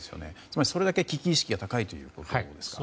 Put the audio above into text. つまり、それだけ危機意識が高いということですか。